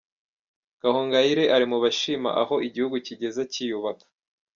Gahongayire ari mu bashima aho igihugu kigeze cyiyubaka.